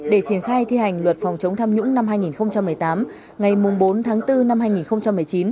để triển khai thi hành luật phòng chống tham nhũng năm hai nghìn một mươi tám ngày bốn tháng bốn năm hai nghìn một mươi chín